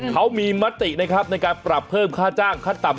เขามีมตินะครับในการปรับเพิ่มค่าจ้างขั้นต่ำ